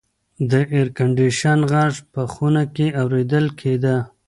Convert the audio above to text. د اېرکنډیشن غږ په خونه کې اورېدل کېده.